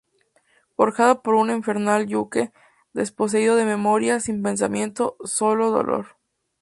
Forjada por un infernal yunque, desposeído de memoria, sin pensamiento, solo dolor.